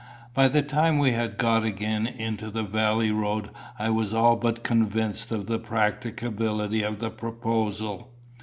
By the time we had got again into the valley road I was all but convinced of the practicability of the proposal.